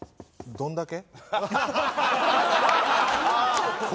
どんだけ？